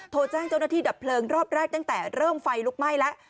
โทรแจ้งเจ้าหน้าที่ดับเพลิงรอบแรกตั้งแต่เริ่มไฟลุกไหม้แล้ว